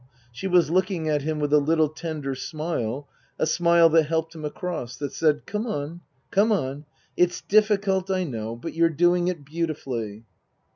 She was looking at him with a little tender smile, a smile that helped him across, that said, " Come on. Come on. It's difficult, I know, but you're doing it beautifully."